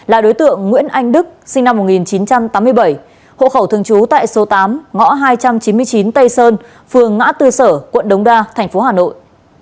là đối tượng nguyễn anh đức sinh năm một nghìn chín trăm tám mươi bảy hộ khẩu thường trú tại số tám ngõ hai trăm chín mươi chín tây sơn phường ngã tư sở quận đống đa tp hà nội